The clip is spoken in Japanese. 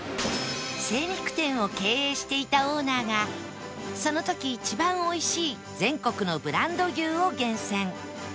精肉店を経営していたオーナーがその時一番おいしい全国のブランド牛を厳選